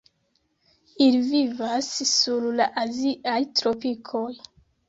Ili vivas sur la aziaj tropikoj.